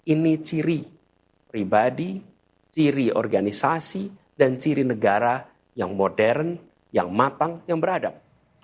ini ciri pribadi ciri organisasi dan ciri negara yang modern yang matang yang beradab